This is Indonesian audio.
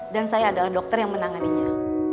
dan saya adalah dokter yang menanganinya